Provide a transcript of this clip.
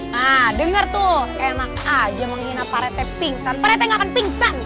nah denger tuh enak aja menghina pak rt pingsan pak rt gak akan pingsan